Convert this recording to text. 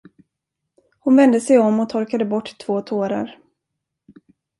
Hon vände sig om och torkade bort två tårar.